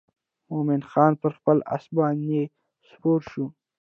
مومن خان پر خپل آس باندې سپور شو.